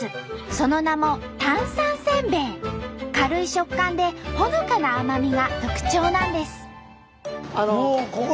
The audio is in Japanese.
その名も軽い食感でほのかな甘みが特徴なんです。